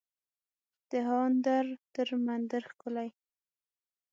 دهاندر تر مندر ښکلی